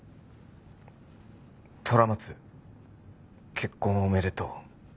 「虎松結婚おめでとう」